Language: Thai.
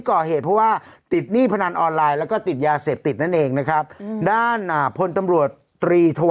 ก่อนหน้านี้เรามีโอกาสได้อ่านไป